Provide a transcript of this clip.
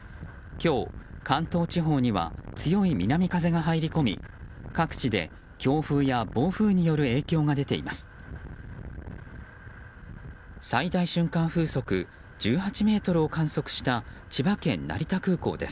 今日、関東地方には強い南風が入り込み各地で強風や暴風による影響が出ています。